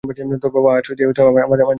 তোর বাবা আশ্রয় দিয়ে আমার জীবন বাঁচিয়েছিল।